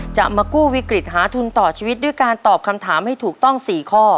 จะมากู้วิกฤตหาทุนต่อชีวิตด้วยการตอบคำถามให้ถูกต้อง๔ข้อ